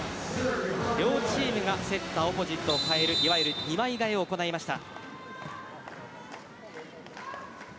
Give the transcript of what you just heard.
両チームがセッター、オポジットを代えるいわゆる２枚代えを行いました。